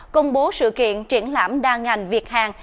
công bố sự kiện triển lãm đa ngành việt hàn